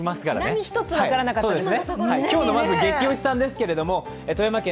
何一つ分からなかったです。